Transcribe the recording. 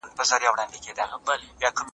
د اوبو ساتنه وکړئ.